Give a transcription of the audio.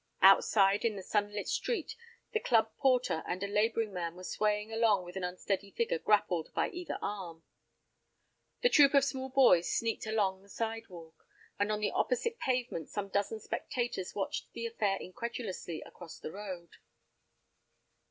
Outside in the sunlit street the club porter and a laboring man were swaying along with an unsteady figure grappled by either arm. The troop of small boys sneaked along the sidewalk, and on the opposite pavement some dozen spectators watched the affair incredulously across the road.